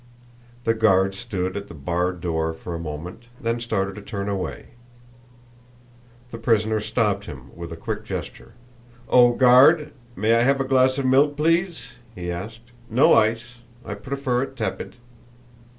The guard stood at the barred door for a moment, then started to turn away. The prisoner stopped him with a quick gesture. "Oh, Guard, may I have a glass of milk, please?" he asked. "No ice. I prefer it tepid."